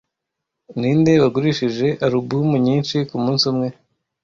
Ninde wagurishije alubumu nyinshi kumunsi umwe